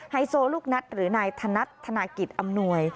ไฮโซลูกนัดหรือนายธนัดธนากิจอำนวย